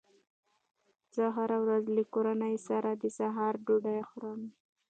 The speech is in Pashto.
زه هره ورځ له کورنۍ سره د سهار ډوډۍ خورم